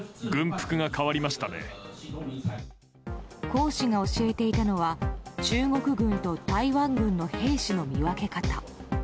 講師が教えていたのは中国軍と台湾軍の兵士の見分け方。